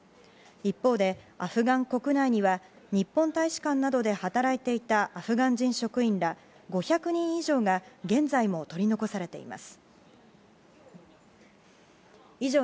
一方で、アフガン国内には日本大使館などで働いていたアフガン人職員ら５００人以上が現在も取り残されています。